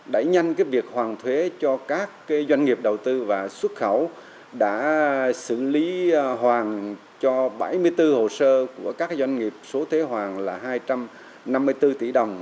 đẩy nhanh việc hoàn thuế cho các doanh nghiệp đầu tư và xuất khẩu đã xử lý hoàn cho bảy mươi bốn hồ sơ của các doanh nghiệp số thuế hoàn là hai trăm năm mươi bốn tỷ đồng